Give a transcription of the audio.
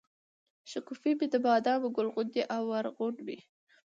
شګوفې مي دبادامو، ګل غونډۍ او ارغوان مي